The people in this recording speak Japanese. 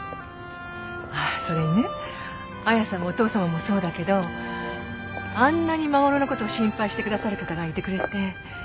あっそれにね彩さんもお父さまもそうだけどあんなに護のことを心配してくださる方がいてくれて。